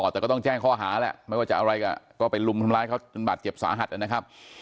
แต่ก็ต้องแจ้งข้อหาแหละไม่ว่าจะอะไรก็ไปลุมทำร้ายเขาจนบาดเจ็บสาหัสนะครับ